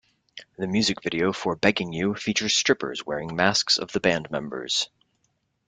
The music video for "Begging You" features strippers wearing masks of the band members.